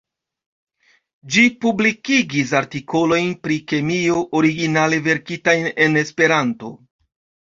Ĝi publikigis artikolojn pri kemio originale verkitajn en Esperanto.